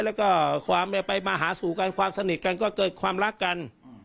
แล้วก็ความไปมาหาสู่กันความสนิทกันก็เกิดความรักกัน